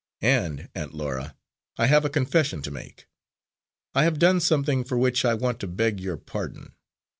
And, Aunt Laura, I have a confession to make; I have done something for which I want to beg your pardon.